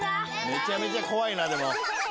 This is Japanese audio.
・めちゃめちゃ怖いなでも。